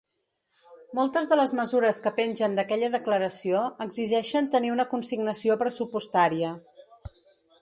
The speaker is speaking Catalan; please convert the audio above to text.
Moltes de les mesures que pengen d’aquella declaració exigeixen tenir una consignació pressupostària.